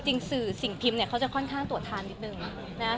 จริงสื่อสิ่งพิมพ์เนี่ยเขาจะค่อนข้างตรวจทานนิดนึงนะ